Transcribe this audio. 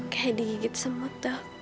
kayak digigit semut dok